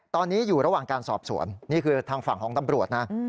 ตอนนี้อยู่ระหว่างการสอบสวนนี่คือทางฝั่งของตำรวจนะ